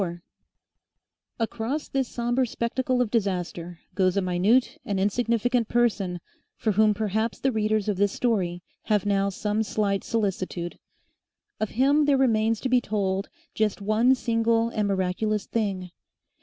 4 Across this sombre spectacle of disaster goes a minute and insignificant person for whom perhaps the readers of this story have now some slight solicitude. Of him there remains to be told just one single and miraculous thing.